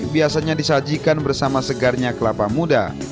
biasanya disajikan bersama segarnya kelapa muda